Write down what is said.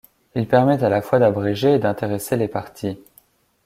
Il permet à la fois d'abréger et d'intéresser les parties.